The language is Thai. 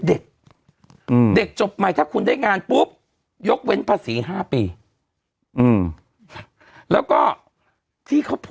เด็กอืมเด็กจบใหม่ถ้าคุณได้งานปุ๊บยกเว้นภาษีห้า